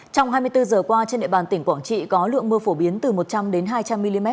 trong hai mươi bốn giờ qua trên địa bàn tỉnh quảng trị có lượng mưa phổ biến từ một trăm linh hai trăm linh mm